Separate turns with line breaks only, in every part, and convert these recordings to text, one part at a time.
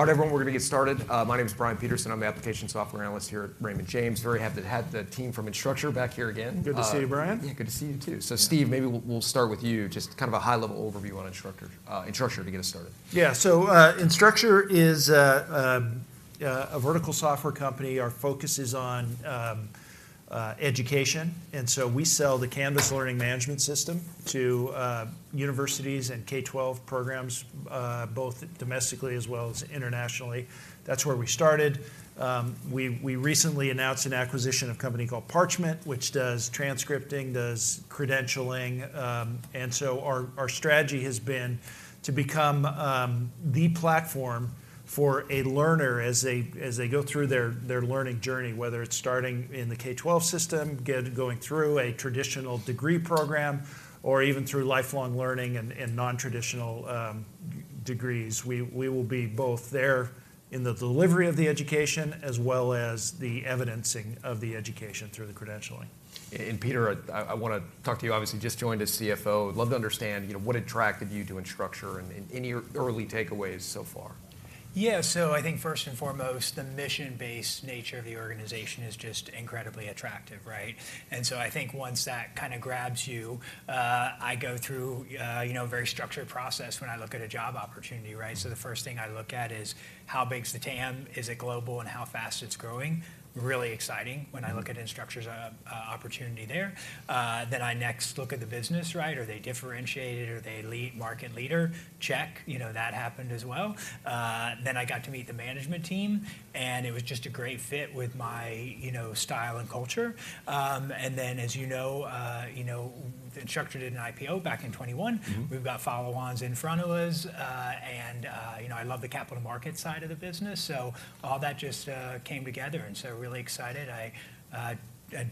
All right, everyone, we're gonna get started. My name is Brian Peterson. I'm the application software analyst here at Raymond James. Very happy to have the team from Instructure back here again.
Good to see you, Brian.
Yeah, good to see you, too.
Yeah.
So, Steve, maybe we'll, we'll start with you. Just kind of a high-level overview on Instructure, Instructure, to get us started.
Yeah. So, Instructure is a vertical software company. Our focus is on education, and so we sell the Canvas learning management system to universities and K-12 programs, both domestically as well as internationally. That's where we started. We recently announced an acquisition, a company called Parchment, which does transcripting, does credentialing. And so our strategy has been to become the platform for a learner as they go through their learning journey, whether it's starting in the K-12 system, going through a traditional degree program, or even through lifelong learning and non-traditional degrees. We will be both there in the delivery of the education as well as the evidencing of the education through the credentialing.
Peter, I, I want to talk to you. Obviously, just joined as CFO. I'd love to understand, you know, what attracted you to Instructure, and any early takeaways so far?
Yeah. So I think first and foremost, the mission-based nature of the organization is just incredibly attractive, right? And so I think once that kind of grabs you, I go through, you know, a very structured process when I look at a job opportunity, right? So the first thing I look at is: How big is the TAM? Is it global, and how fast it's growing? Really exciting-
Mm-hmm.
When I look at Instructure's opportunity there. Then I next look at the business, right? Are they differentiated? Are they lead, market leader? Check. You know, that happened as well. Then I got to meet the management team, and it was just a great fit with my, you know, style and culture. And then, as you know, you know, Instructure did an IPO back in 2021.
Mm-hmm.
We've got follow-ons in front of us. You know, I love the capital markets side of the business, so all that just came together, and so really excited.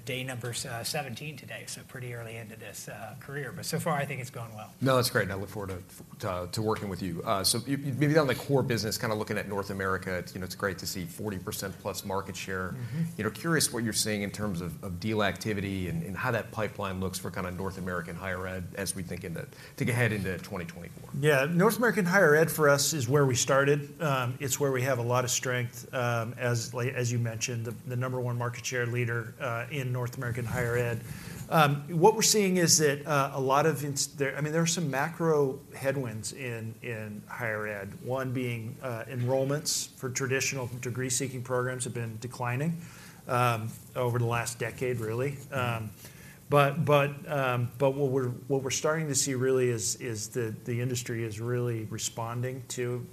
Day number 17 today, so pretty early into this career, but so far, I think it's going well.
No, that's great, and I look forward to working with you. So maybe on the core business, kind of looking at North America, it's, you know, it's great to see 40%+ market share.
Mm-hmm.
You know, curious what you're seeing in terms of deal activity and how that pipeline looks for kind of North American Higher Ed as we think ahead into 2024?
Yeah. North American Higher Ed for us is where we started. It's where we have a lot of strength, as you mentioned, the number one market share leader, in North American Higher Ed. What we're seeing is that I mean, there are some macro headwinds in Higher Ed. One being, enrollments for traditional degree-seeking programs have been declining over the last decade, really.
Mm-hmm.
But what we're starting to see really is the industry is really responding to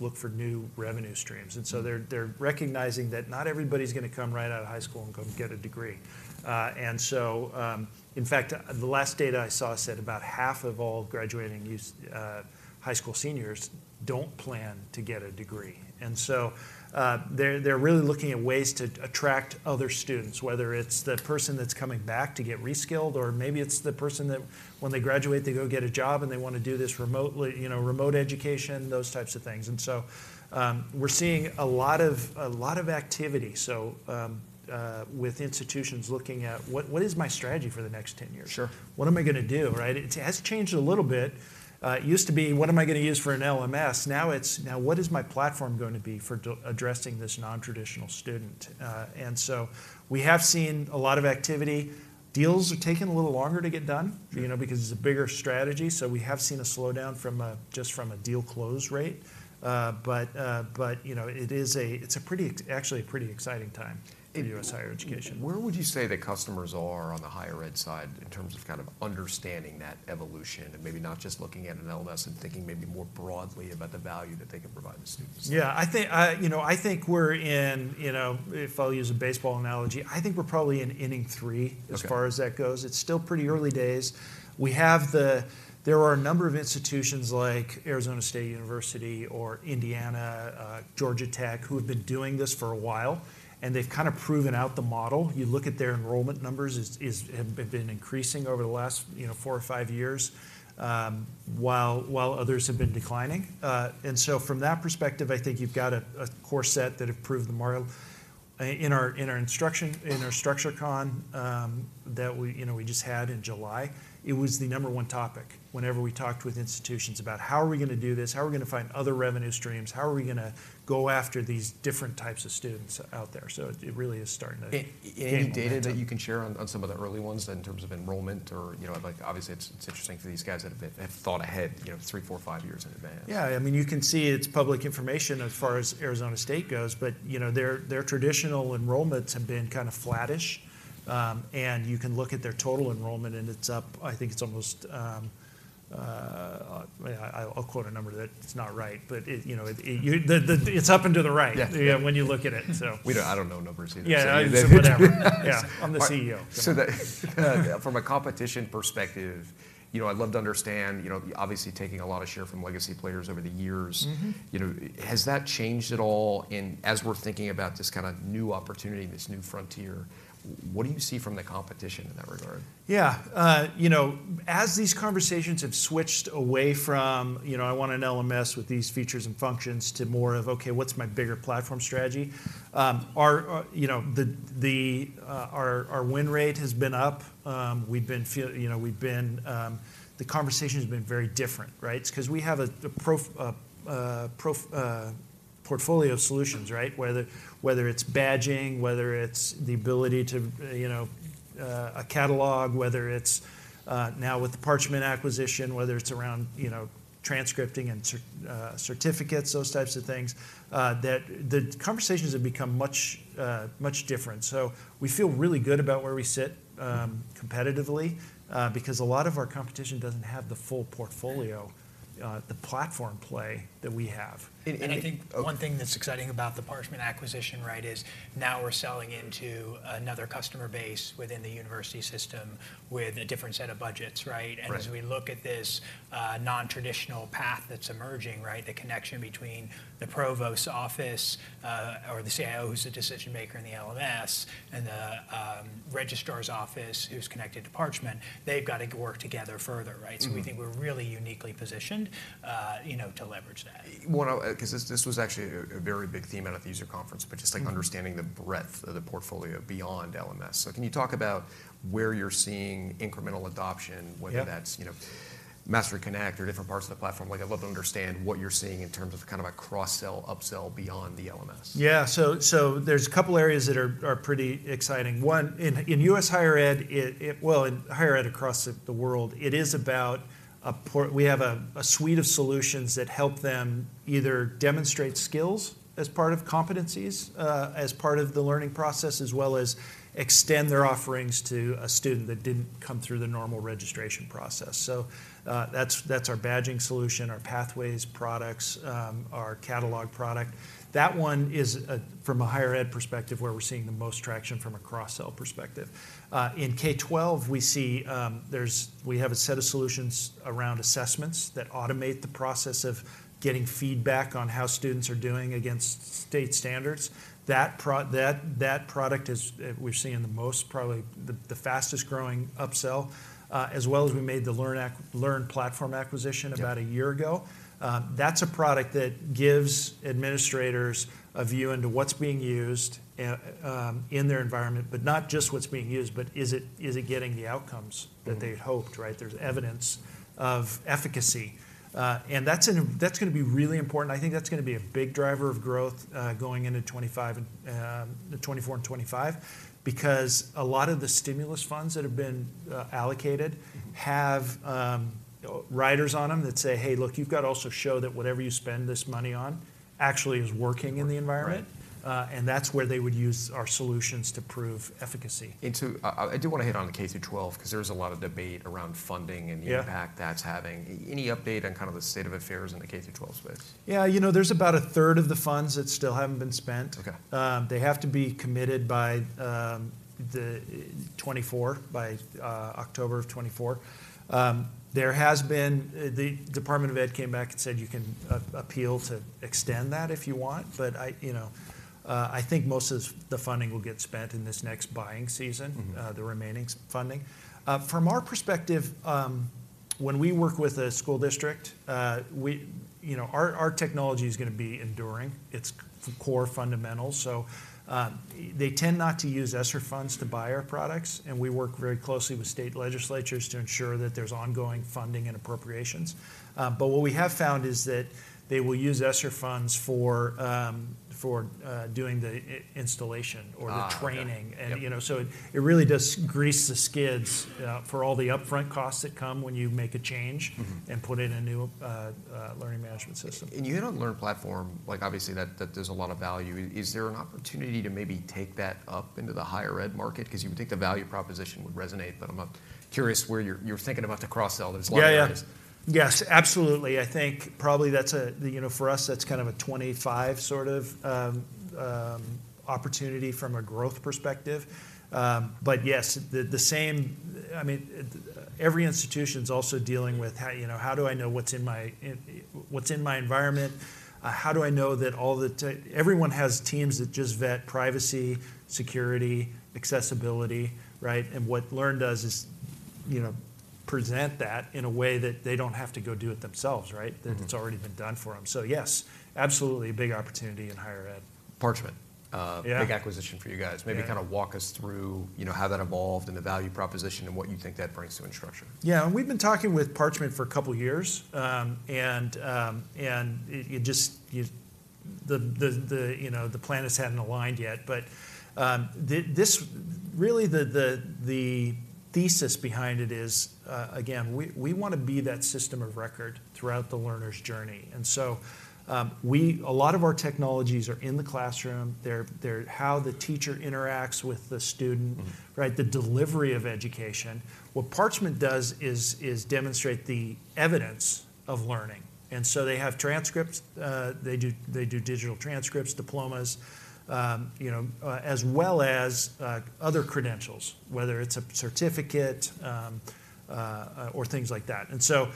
look for new revenue streams.
Mm-hmm.
They're recognizing that not everybody's gonna come right out of high school and go get a degree. In fact, the last data I saw said about half of all graduating youth, high school seniors don't plan to get a degree. They're really looking at ways to attract other students, whether it's the person that's coming back to get re-skilled, or maybe it's the person that when they graduate, they go get a job, and they want to do this remotely, you know, remote education, those types of things. We're seeing a lot of activity with institutions looking at: "What is my strategy for the next 10 years?
Sure.
What am I gonna do," right? It has changed a little bit. It used to be: "What am I gonna use for an LMS?" Now it's: "Now, what is my platform going to be for addressing this non-traditional student?" And so we have seen a lot of activity. Deals are taking a little longer to get done.
Sure....
you know, because it's a bigger strategy, so we have seen a slowdown from a, just from a deal close rate. But you know, it is a, it's a pretty actually a pretty exciting time,
Yeah.
-in U.S. higher education.
Where would you say the customers are on the higher ed side in terms of kind of understanding that evolution and maybe not just looking at an LMS and thinking maybe more broadly about the value that they can provide the students?
Yeah, I think. You know, I think we're in, you know, if I'll use a baseball analogy, I think we're probably in inning three,
Okay....
as far as that goes. It's still pretty early days. There are a number of institutions, like Arizona State University or Indiana, Georgia Tech, who have been doing this for a while, and they've kind of proven out the model. You look at their enrollment numbers have been increasing over the last, you know, four or five years, while others have been declining. And so from that perspective, I think you've got a core set that have proved the model. In our InstructureCon, you know, that we just had in July, it was the number one topic whenever we talked with institutions about how are we gonna do this, how are we gonna find other revenue streams, how are we gonna go after these different types of students out there? So it really is starting to gain momentum.
Any data that you can share on some of the early ones in terms of enrollment or... You know, like obviously, it's interesting for these guys that have thought ahead, you know, three, four, five years in advance.
Yeah. I mean, you can see it's public information as far as Arizona State goes, but, you know, their traditional enrollments have been kind of flattish. And you can look at their total enrollment, and it's up, I think it's almost... I'll quote a number that is not right, but you know, it's up and to the right,
Yeah....
yeah, when you look at it, so.
I don't know numbers either, so.
Yeah, whatever. Yeah. I'm the CEO.
From a competition perspective, you know, I'd love to understand, you know, obviously, taking a lot of share from legacy players over the years.
Mm-hmm....
you know, has that changed at all in... as we're thinking about this kind of new opportunity, this new frontier, what do you see from the competition in that regard?
Yeah. You know, as these conversations have switched away from, you know, "I want an LMS with these features and functions," to more of, "Okay, what's my bigger platform strategy?" Our win rate has been up. You know, the conversation has been very different, right? It's 'cause we have a portfolio of solutions, right? Whether it's badging, whether it's the ability to, you know, a catalog, whether it's now with the Parchment acquisition, whether it's around, you know, transcripting and certificates, those types of things, that the conversations have become much different. So we feel really good about where we sit competitively, because a lot of our competition doesn't have the full portfolio, the platform play that we have.
I think one thing that's exciting about the Parchment acquisition, right, is now we're selling into another customer base within the university system with a different set of budgets, right?
Right.
As we look at this non-traditional path that's emerging, right, the connection between the provost's office or the CIO, who's the decision-maker in the LMS, and the registrar's office, who's connected to Parchment, they've got to work together further, right?
Mm-hmm.
We think we're really uniquely positioned, you know, to leverage that.
Well, 'cause this was actually a very big theme out at the user conference, but just,
Mm....
like understanding the breadth of the portfolio beyond LMS. So can you talk about where you're seeing incremental adoption,
Yep....
whether that's, you know, Mastery Connect or different parts of the platform? Like, I'd love to understand what you're seeing in terms of kind of a cross-sell, up-sell beyond the LMS.
Yeah. So there's a couple of areas that are pretty exciting. One, in U.S. higher ed... Well, in higher ed across the world, it is about a port-- We have a suite of solutions that help them either demonstrate skills as part of competencies, as part of the learning process, as well as extend their offerings to a student that didn't come through the normal registration process. So that's our badging solution, our Pathways products, our catalog product. That one is, from a higher ed perspective, where we're seeing the most traction from a cross-sell perspective. In K-12, we see there's-- We have a set of solutions around assessments that automate the process of getting feedback on how students are doing against state standards. That product is. We're seeing the most, probably the fastest-growing upsell, as well as we made the LearnPlatform acquisition.
Yeah....
about a year ago. That's a product that gives administrators a view into what's being used in their environment, but not just what's being used, but is it getting the outcomes that they'd,
Mm....
hoped, right? There's evidence of efficacy. That's going to be really important. I think that's going to be a big driver of growth, going into 2025 and 2024 and 2025, because a lot of the stimulus funds that have been allocated have riders on them that say, "Hey, look, you've got to also show that whatever you spend this money on actually is working in the environment.
Right.
That's where they would use our solutions to prove efficacy.
And so, I do want to hit on the K-12 'cause there's a lot of debate around funding,
Yeah....
and the impact that's having. Any update on kind of the state of affairs in the K-12 space?
Yeah, you know, there's about a third of the funds that still haven't been spent.
Okay.
They have to be committed by the 2024, by October of 2024. There has been... the Department of Ed came back and said, "You can appeal to extend that if you want," but I, you know, I think most of the funding will get spent in this next buying season,
Mm-hmm....
the remaining funding. From our perspective, when we work with a school district, we, you know, our technology is going to be enduring. It's core fundamentals, so they tend not to use ESSER funds to buy our products, and we work very closely with state legislatures to ensure that there's ongoing funding and appropriations. But what we have found is that they will use ESSER funds for doing the installation,
Ah, okay...
or the training.
Yep.
And, you know, so it really does grease the skids for all the upfront costs that come when you make a change,
Mm-hmm....
and put in a new learning management system.
You had on LearnPlatform, like, obviously, that there's a lot of value. Is there an opportunity to maybe take that up into the higher ed market? 'Cause you would think the value proposition would resonate, but I'm curious where you're thinking about the cross-sell. There's a lot of areas.
Yeah, yeah. Yes, absolutely. I think probably that's a, you know, for us, that's kind of a 2025 sort of opportunity from a growth perspective. But yes, the same—I mean, every institution's also dealing with how, you know, "How do I know what's in my environment? How do I know that all the teams..." Everyone has teams that just vet privacy, security, accessibility, right? And what Learn does is, you know, present that in a way that they don't have to go do it themselves, right?
Mm-hmm.
That it's already been done for them. So yes, absolutely, a big opportunity in higher ed.
Parchment.
Yeah.
Big acquisition for you guys.
Yeah.
Maybe kind of walk us through, you know, how that evolved and the value proposition and what you think that brings to Instructure?
Yeah. We've been talking with Parchment for a couple of years, and it just, you know, the planets hadn't aligned yet. But this really, the thesis behind it is, again, we want to be that system of record throughout the learner's journey, and so, a lot of our technologies are in the classroom. They're how the teacher interacts with the student,
Mm-hmm....
right, the delivery of education. What Parchment does is demonstrate the evidence of learning, and so they have transcripts, they do digital transcripts, diplomas, you know, as well as other credentials, whether it's a certificate or things like that. And so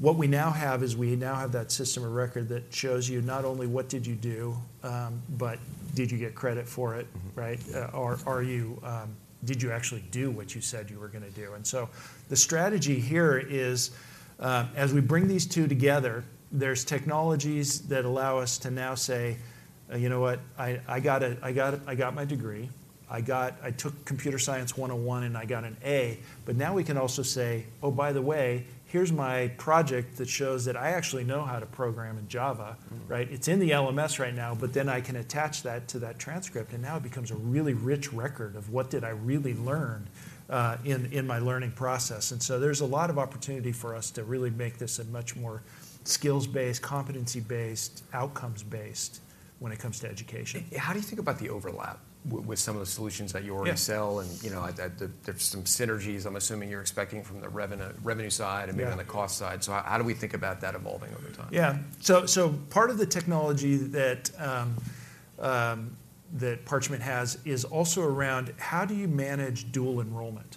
what we now have is we now have that system of record that shows you not only what did you do, but did you get credit for it,
Mm-hmm....
right? Or are you... Did you actually do what you said you were going to do? And so the strategy here is, as we bring these two together, there's technologies that allow us to now say... You know what? I got my degree. I took Computer Science 101, and I got an A. But now we can also say: "Oh, by the way, here's my project that shows that I actually know how to program in Java," right?
Mm-hmm.
It's in the LMS right now, but then I can attach that to that transcript, and now it becomes a really rich record of what did I really learn in my learning process. And so there's a lot of opportunity for us to really make this a much more skills-based, competency-based, outcomes-based when it comes to education.
How do you think about the overlap with some of the solutions that you already sell?
Yeah.
You know that there's some synergies I'm assuming you're expecting from the revenue side,
Yeah....
and maybe on the cost side. So how, how do we think about that evolving over time?
Yeah. So part of the technology that Parchment has is also around: How do you manage dual enrollment?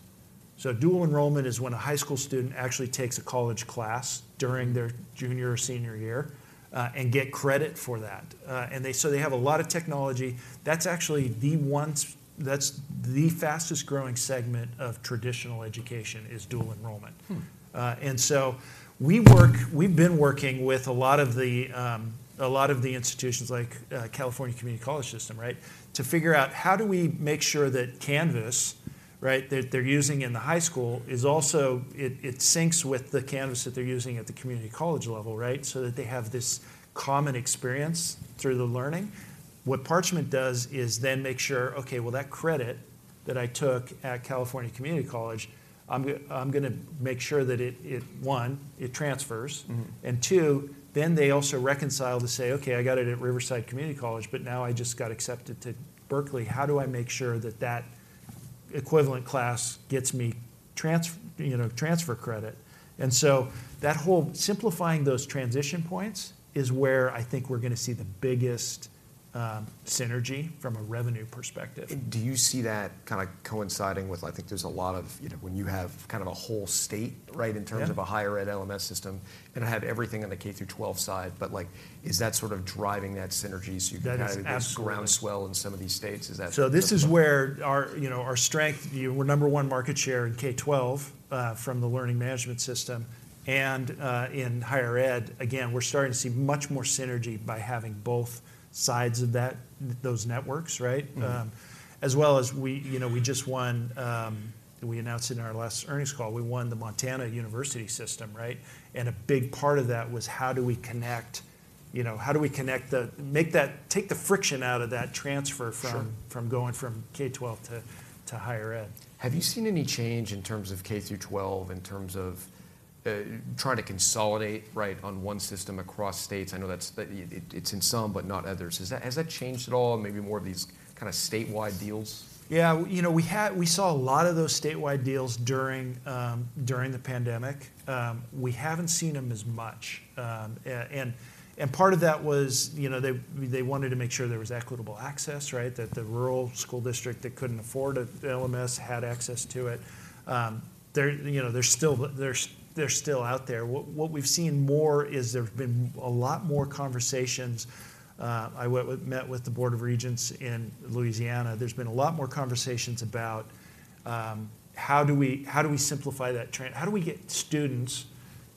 So dual enrollment is when a high school student actually takes a college class during their junior or senior year, and get credit for that. And they have a lot of technology. That's actually the one that's the fastest-growing segment of traditional education is dual enrollment.
Hmm.
And so we've been working with a lot of the institutions like California Community College system, right? To figure out how do we make sure that Canvas, right, that they're using in the high school, is also it syncs with the Canvas that they're using at the community college level, right? So that they have this common experience through the learning. What Parchment does is then make sure, "Okay, well, that credit that I took at California Community College, I'm going to make sure that it one, it transfers-
Mm-hmm...
and two," then they also reconcile to say: "Okay, I got it at Riverside Community College, but now I just got accepted to Berkeley. How do I make sure that that equivalent class gets me transfer, you know, transfer credit?" And so that whole simplifying those transition points is where I think we're going to see the biggest synergy from a revenue perspective.
Do you see that kind of coinciding with...? I think there's a lot of, you know, when you have kind of a whole state, right,
Yeah....
in terms of a higher ed LMS system, and I have everything on the K through 12 side, but, like, is that sort of driving that synergy so you can have,
That is absolutely,...
this groundswell in some of these states? Is that,
So this is where our, you know, our strength view. We're number one market share in K-12 from the learning management system and in higher ed. Again, we're starting to see much more synergy by having both sides of that, those networks, right?
Mm-hmm.
As well as we, you know, we just won, we announced in our last earnings call, we won the Montana University System, right? A big part of that was: How do we connect, you know, how do we connect take the friction out of that transfer from,
Sure....
from going from K-12 to Higher Ed?
Have you seen any change in terms of K through 12, in terms of trying to consolidate, right, on one system across states? I know that's it, it's in some, but not others. Has that changed at all? Maybe more of these kind of statewide deals.
Yeah. You know, we had we saw a lot of those statewide deals during the pandemic. We haven't seen them as much. And part of that was, you know, they wanted to make sure there was equitable access, right? That the rural school district that couldn't afford a LMS had access to it. They're, you know, they're still there, they're still out there. What we've seen more is there've been a lot more conversations. I met with the Board of Regents in Louisiana. There's been a lot more conversations about: How do we, how do we simplify that - How do we get students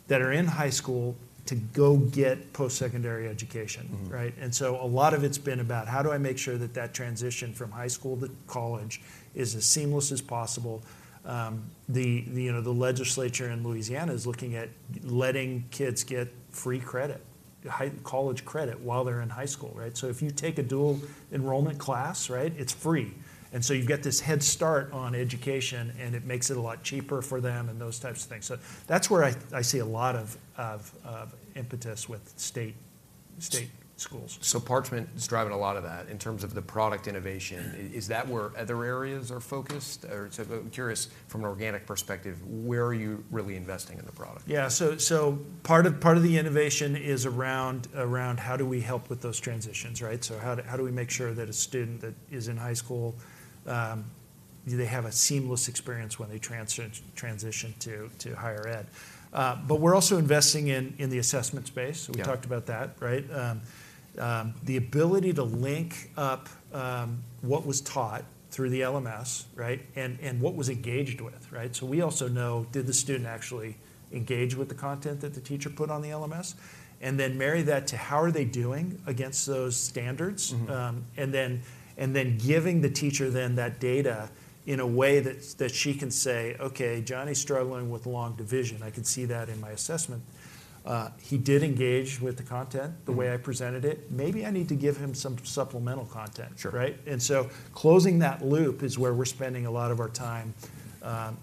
that are in high school to go get post-secondary education, right?
Mm-hmm.
And so a lot of it's been about how do I make sure that that transition from high school to college is as seamless as possible? You know, the legislature in Louisiana is looking at letting kids get free credit, high college credit, while they're in high school, right? So if you take a dual enrollment class, right, it's free. And so you've got this head start on education, and it makes it a lot cheaper for them and those types of things. So that's where I see a lot of impetus with state schools.
Parchment is driving a lot of that in terms of the product innovation.
Mm-hmm.
Is that where other areas are focused? Or, so I'm curious, from an organic perspective, where are you really investing in the product?
Yeah, so part of the innovation is around: How do we help with those transitions, right? So how do we make sure that a student that is in high school, they have a seamless experience when they transition to higher ed? But we're also investing in the assessment space.
Yeah.
So we talked about that, right? The ability to link up what was taught through the LMS, right? And what was engaged with, right? So we also know, did the student actually engage with the content that the teacher put on the LMS? And then marry that to: How are they doing against those standards?
Mm-hmm.
and then giving the teacher then that data in a way that she can say, "Okay, Johnny's struggling with long division. I can see that in my assessment. He did engage with the content,
Mm....
the way I presented it. Maybe I need to give him some supplemental content.
Sure.
Right? And so closing that loop is where we're spending a lot of our time,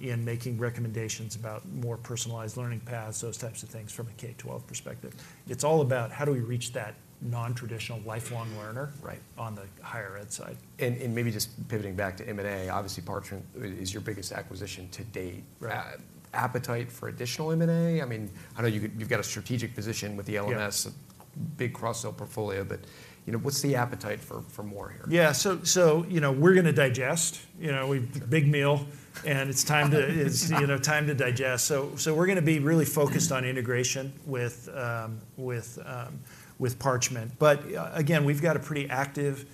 in making recommendations about more personalized learning paths, those types of things, from a K-12 perspective. It's all about: How do we reach that non-traditional lifelong learner,
Right....
on the Higher Ed side?
And, maybe just pivoting back to M&A, obviously, Parchment is your biggest acquisition to date.
Right.
Appetite for additional M&A? I mean, I know you, you've got a strategic position with the LMS,
Yeah....
big cross-sell portfolio, but, you know, what's the appetite for more here?
Yeah, so, you know, we're going to digest. You know, and it's time to, you know, time to digest. So, we're going to be really focused on integration with, with Parchment. But, again, we've got a pretty active,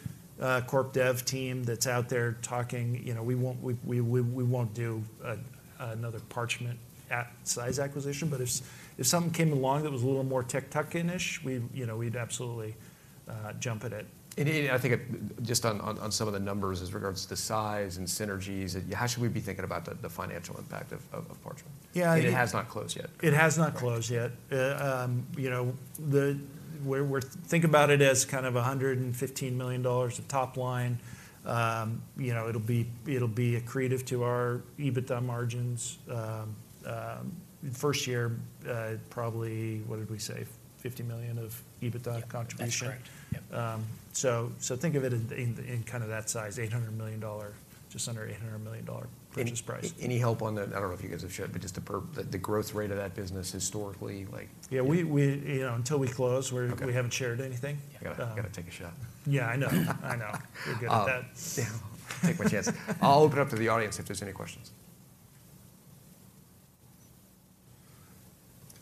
corp dev team that's out there talking, you know, we won't do another Parchment at size acquisition, but if something came along that was a little more tech tuck-in-ish, we'd, you know, we'd absolutely jump at it.
I think, just on some of the numbers as regards to the size and synergies, how should we be thinking about the financial impact of Parchment?
Yeah.
It has not closed yet.
It has not closed yet. You know, Think about it as kind of $115 million of top line. You know, it'll be accretive to our EBITDA margins. First year, probably, what did we say? $50 million of EBITDA contribution.
Yeah, that's correct. Yeah.
So, think of it in kind of that size, $800 million, just under $800 million purchase price.
Any help on the... I don't know if you guys have shared, but just the growth rate of that business historically, like,
Yeah, we, you know, until we close,
Okay.
We haven't shared anything.
Got to take a shot.
Yeah, I know. I know. You're good at that.
Yeah.
Take my chance. I'll open it up to the audience if there's any questions.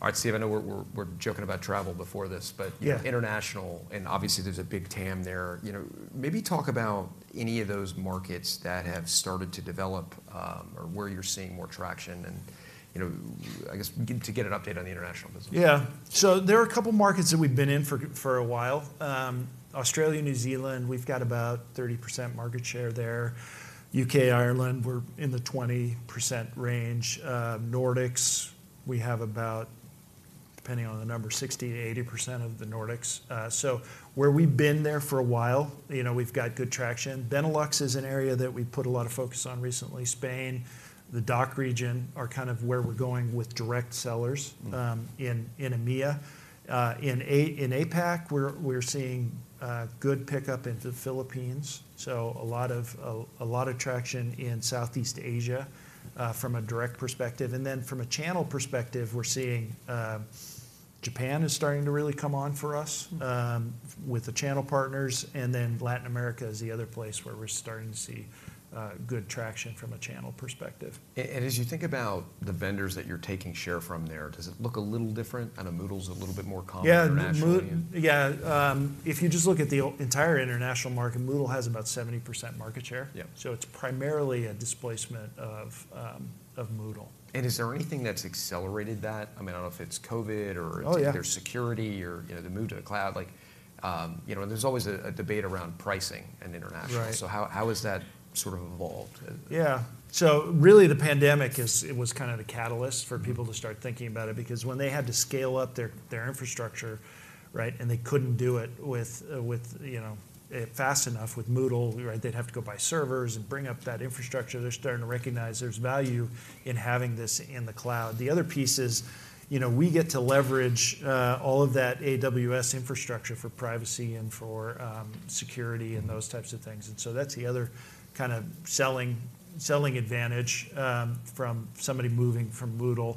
All right, Steve, I know we're joking about travel before this, but,
Yeah....
international, and obviously, there's a big TAM there. You know, maybe talk about any of those markets that have started to develop, or where you're seeing more traction and, you know, I guess, to get an update on the international business.
Yeah. So there are a couple of markets that we've been in for a while. Australia, New Zealand, we've got about 30% market share there. UK, Ireland, we're in the 20% range. Nordics, we have about, depending on the number, 60%-80% of the Nordics. So where we've been there for a while, you know, we've got good traction. Benelux is an area that we've put a lot of focus on recently. Spain, the DACH region, are kind of where we're going with direct sellers.
Mm....
in EMEA. In APAC, we're seeing good pickup in the Philippines, so a lot of traction in Southeast Asia from a direct perspective. And then from a channel perspective, we're seeing Japan is starting to really come on for us-
Mm....
with the channel partners, and then Latin America is the other place where we're starting to see good traction from a channel perspective.
And as you think about the vendors that you're taking share from there, does it look a little different? I know Moodle's a little bit more common internationally.
Yeah, if you just look at the entire international market, Moodle has about 70% market share.
Yeah.
It's primarily a displacement of Moodle.
Is there anything that's accelerated that? I mean, I don't know if it's COVID or-
Oh, yeah...
either security or, you know, the move to the cloud. Like, you know, there's always a debate around pricing in international.
Right.
So how has that sort of evolved?
Yeah. So really, the pandemic is... it was kind of the catalyst,
Mm....
for people to start thinking about it because when they had to scale up their infrastructure, right, and they couldn't do it with, with, you know, fast enough with Moodle, right? They'd have to go buy servers and bring up that infrastructure. They're starting to recognize there's value in having this in the cloud. The other piece is, you know, we get to leverage all of that AWS infrastructure for privacy and for security,
Mm....
and those types of things, and so that's the other kind of selling, selling advantage, from somebody moving from Moodle.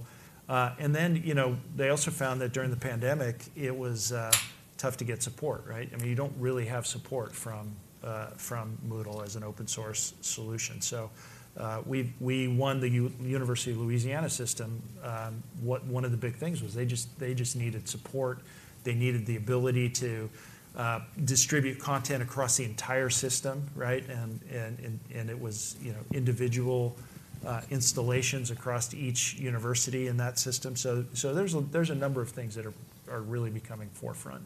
And then, you know, they also found that during the pandemic, it was tough to get support, right? I mean, you don't really have support from from Moodle as an open-source solution. So, we won the University of Louisiana System. One of the big things was they just, they just needed support. They needed the ability to distribute content across the entire system, right? And it was, you know, individual installations across each university in that system. So, there's a number of things that are really becoming forefront.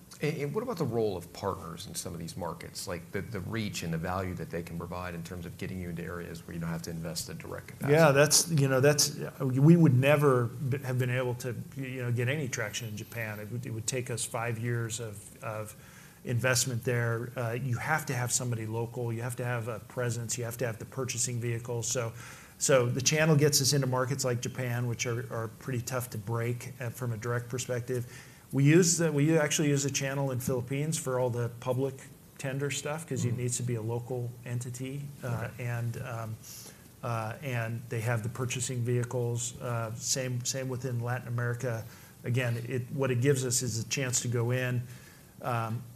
What about the role of partners in some of these markets? Like, the reach and the value that they can provide in terms of getting you into areas where you don't have to invest the direct capacity.
Yeah, that's, you know, that's... We would never have been able to, you know, get any traction in Japan. It would take us five years of investment there. You have to have somebody local. You have to have a presence. You have to have the purchasing vehicle. So the channel gets us into markets like Japan, which are pretty tough to break from a direct perspective. We actually use a channel in Philippines for all the public tender stuff.
Mm....
because it needs to be a local entity.
Right....
and, and they have the purchasing vehicles, same, same within Latin America. Again, what it gives us is a chance to go in,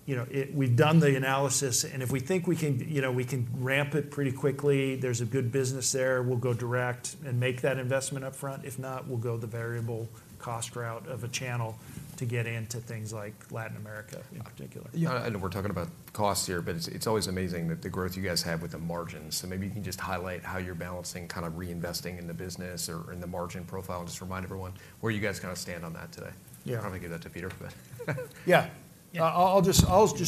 you know. We've done the analysis, and if we think we can, you know, we can ramp it pretty quickly, there's a good business there, we'll go direct and make that investment upfront. If not, we'll go the variable cost route of a channel to get into things like Latin America in particular.
Yeah, I know we're talking about costs here, but it's always amazing the growth you guys have with the margins. So maybe you can just highlight how you're balancing kind of reinvesting in the business or in the margin profile, and just remind everyone where you guys kind of stand on that today.
Yeah.
I'll probably give that to Peter, but,
Yeah.
Yeah.
I'll just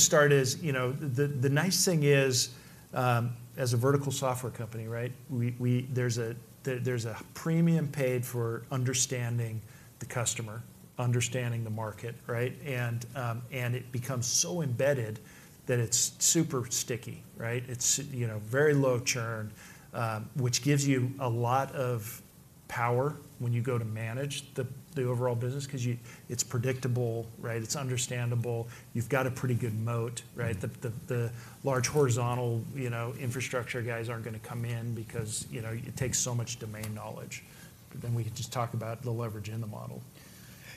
start as, you know, the nice thing is, as a vertical software company, right, we, there's a premium paid for understanding the customer, understanding the market, right? And, and it becomes so embedded that it's super sticky, right? It's, you know, very low churn, which gives you a lot of power when you go to manage the overall business because you... it's predictable, right? It's understandable. You've got a pretty good moat, right?
Mm.
The large horizontal, you know, infrastructure guys aren't going to come in because, you know, it takes so much domain knowledge. But then we can just talk about the leverage in the model.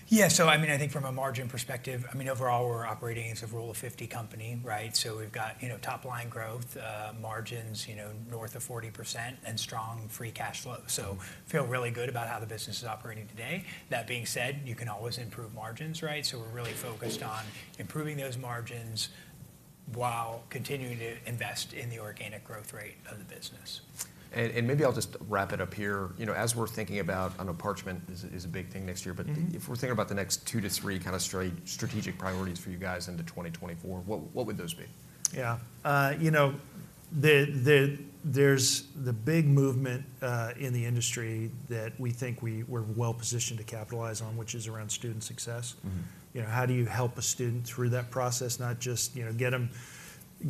Yeah, so I mean, I think from a margin perspective, I mean, overall, we're operating as a Rule of 50 company, right? So we've got, you know, top-line growth, margins, you know, north of 40%, and strong free cash flow. So feel really good about how the business is operating today. That being said, you can always improve margins, right? So we're really focused on improving those margins while continuing to invest in the organic growth rate of the business.
And maybe I'll just wrap it up here. You know, as we're thinking about, I know Parchment is a big thing next year,
Mm....
but if we're thinking about the next 2-3 kind of strategic priorities for you guys into 2024, what would those be?
Yeah. You know, there's the big movement in the industry that we think we're well-positioned to capitalize on, which is around student success.
Mm-hmm.
You know, how do you help a student through that process, not just, you know, get them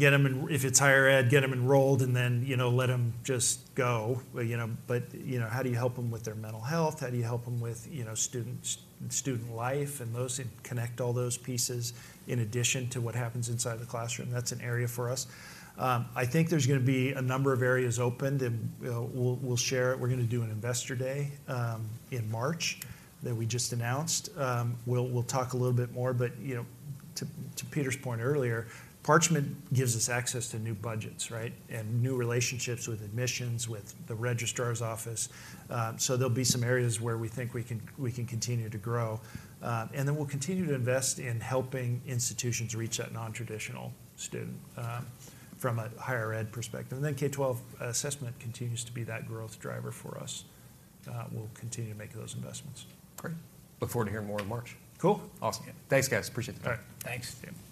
enrolled if it's Higher Ed, and then, you know, let them just go? You know, but, you know, how do you help them with their mental health? How do you help them with, you know, student life, and those, connect all those pieces in addition to what happens inside the classroom? That's an area for us. I think there's going to be a number of areas opened, and we'll share it. We're going to do an investor day in March, that we just announced. We'll talk a little bit more, but, you know, to Peter's point earlier, Parchment gives us access to new budgets, right, and new relationships with admissions, with the registrar's office. So there'll be some areas where we think we can, we can continue to grow. Then we'll continue to invest in helping institutions reach that non-traditional student, from a higher ed perspective. Then K-12 assessment continues to be that growth driver for us. We'll continue to make those investments.
Great. Look forward to hearing more in March.
Cool.
Awesome.
Yeah.
Thanks, guys. Appreciate the time.
All right, thanks.
Yeah.